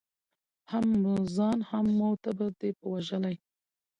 هم مو ځان هم مو ټبر دی په وژلی